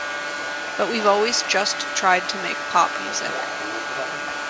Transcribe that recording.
But we've always just tried to make pop music.